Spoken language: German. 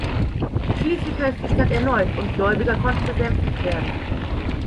Schließlich half die Stadt erneut, und Gläubiger konnten besänftigt werden.